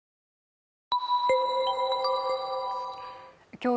今日